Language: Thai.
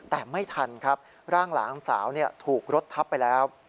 แต่ไม่ทันครับร่างหลานสาวถูกรถทับไปแล้ว